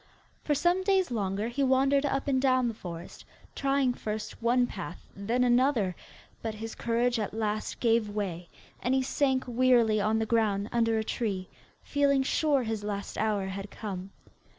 For some days longer he wandered up and down the forest, trying first one path, then another, but his courage at last gave way, and he sank wearily on the ground under a tree, feeling sure his last hour had come.